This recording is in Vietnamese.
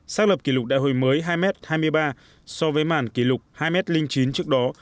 xác lập kỷ lục đại hội mới hai m hai mươi ba so với màn kỷ lục hai m chín trước đó